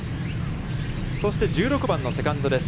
そして１６番のセカンドです。